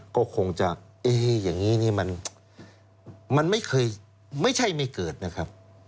ก็คงจะเอ๊ะอย่างนี้นี่มันไม่เคยไม่ใช่ไม่เกิดนะครับ